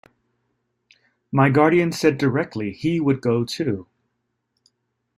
My guardian said directly he would go too.